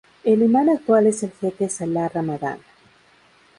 El imán actual es el jeque Salah Ramadan.